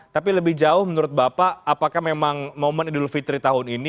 tapi lebih jauh menurut bapak apakah memang momen idul fitri tahun ini